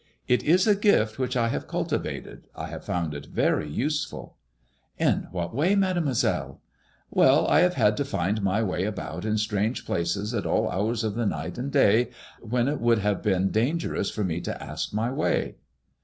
It is a gift which I have cultivated. I have found it ver> useful" In what way, Mademoi seUe ?"WeU, I have had to find my way about in strange places at all hours of the night and day, when it would have been danger ous for me to ask my way."